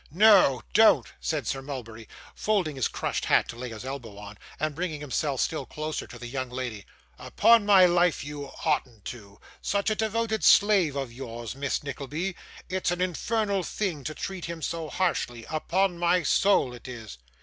'No, don't,' said Sir Mulberry, folding his crushed hat to lay his elbow on, and bringing himself still closer to the young lady; 'upon my life, you oughtn't to. Such a devoted slave of yours, Miss Nickleby it's an infernal thing to treat him so harshly, upon my soul it is.